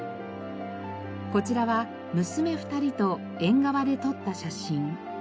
こちらは娘２人と縁側で撮った写真。